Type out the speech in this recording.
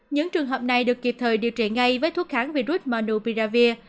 những trường hợp này được kịp thời điều trị ngay với thuốc kháng virus manupiravir